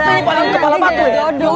kepala itu ada batu dong